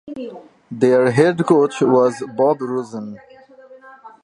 Their head coach was Bob Rosen.